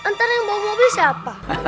ntar yang bawa mobil siapa